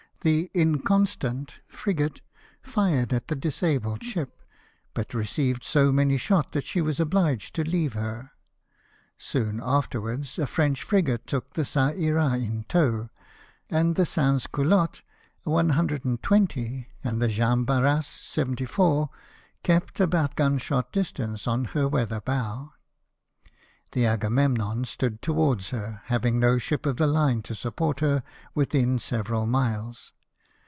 The Inconstant frigate fired at the disabled ship, but received so many shot that she was obliged to leave her. Soon afterwards a French frigate took the (^alram tow; and the Bans Calottes, 120, and the Jean Barras, 74, kept about gun shot distance on her weather bow. The Aganieninon stood towards her, having no ship of the line to support her withm several miles.